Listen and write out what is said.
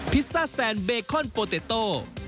พิซซ่าแซนเบคอนโปเตโต